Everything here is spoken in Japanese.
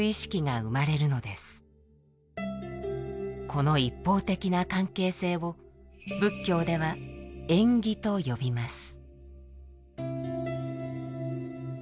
この一方的な関係性を仏教では縁起と呼びます。